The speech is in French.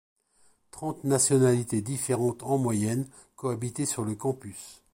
Trente nationalités différentes en moyenne cohabitaient sur le campus.